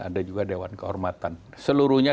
ada juga dewan kehormatan seluruhnya